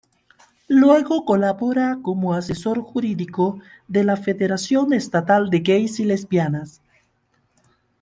Luego colabora como asesor jurídico de la Federación Estatal de Gays y Lesbianas.